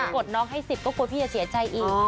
กดน้องให้๑๐ก็กลัวพี่จะเสียใจอีก